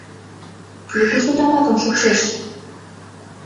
Кӧ тушто тамакым шупшеш?